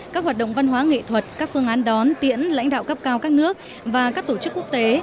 các hoạt động văn hóa nghệ thuật các phương án đón tiễn lãnh đạo cấp cao các nước và các tổ chức quốc tế